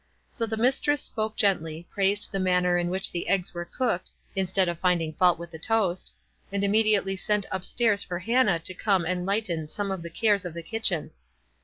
So the mistress spoke gently, praised the manner in which the eggs were cooked, instead of find ing: fault with the toast, and immediately sent up stairs for Hannah to come and lighten some of the cares of the kitchen.